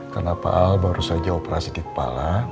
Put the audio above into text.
karena pak al baru saja operasi di kepala